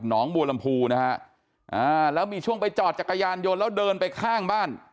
งบัวลำพูนะฮะอ่าแล้วมีช่วงไปจอดจักรยานยนต์แล้วเดินไปข้างบ้าน